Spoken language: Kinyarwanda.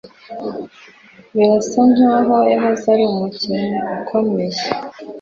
Birasa nkaho yahoze ari umukinnyi ukomeye.